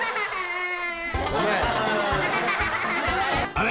［あれ？